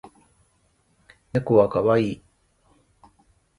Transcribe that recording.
猫は可愛い